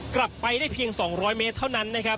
กลับไปได้เพียง๒๐๐เมตรเท่านั้นนะครับ